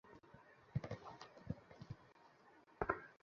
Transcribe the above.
কিন্তু সেরূপ ঘটিল না, তাহাকে অপরিচিত পথে বাহির হইতে হইল।